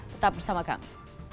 tetap bersama kami